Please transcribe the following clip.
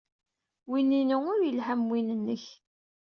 Win-inu ur yelhi am win-nnek.